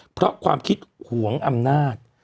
เพราะความคิดหวงอำนาจ